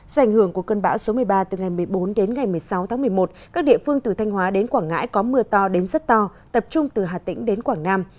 do ảnh hưởng của cơn bão số một mươi ba từ ngày một mươi bốn đến ngày một mươi sáu tháng một mươi một các địa phương từ thanh hóa đến quảng ngãi có mưa to đến rất to tập trung từ hà tĩnh đến quảng nam